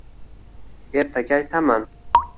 - Ertaga aytaman..